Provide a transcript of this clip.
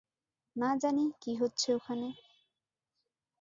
না জানি কী হচ্ছে ওখানে।